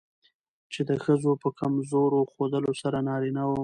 چې د ښځو په کمزور ښودلو سره نارينه وو